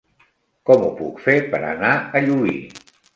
Com ho puc fer per anar a Llubí?